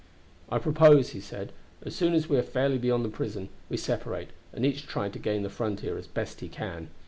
"I propose," he said, "as soon as we are fairly beyond the prison, we separate, and each try to gain the frontier as best he can.